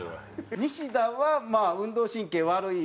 西田はまあ運動神経悪い。